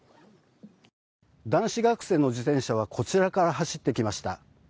男子学生の自転車はこちらから走ってきました。